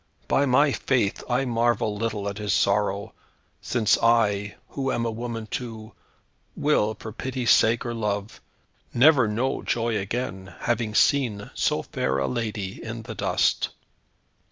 By my faith I marvel little at his sorrow, since I, who am a woman too, will for pity's sake or love never know joy again, having seen so fair a lady in the dust."